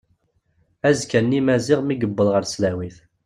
Azekka-nni Maziɣ mi yewweḍ ɣer tesdawit.